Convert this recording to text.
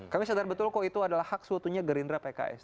kami sadar betul kok itu adalah hak suatunya gerindra pks